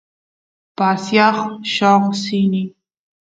pasiaq lloqsini